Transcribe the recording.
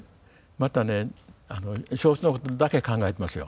またね小説のことだけ考えてますよ。